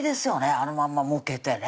あのまんまむけてね